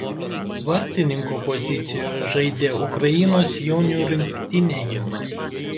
Vartininko pozicijoje žaidė Ukrainos jaunių rinktinėje.